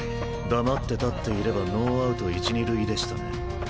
黙って立っていればノーアウト１・２塁でしたね。